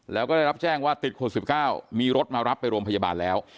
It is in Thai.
แล้วก็ได้รับแจ้งว่าติดโควิด๑๙มีรถมารับไปโรงพยาบาลแล้ว